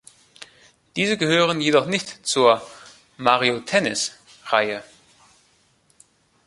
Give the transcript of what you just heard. Diese gehören jedoch nicht zur "Mario-Tennis"-Reihe.